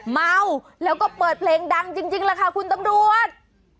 เมาแล้วก็เปิดเพลงดังจริงแหละค่ะคุณตำรวจ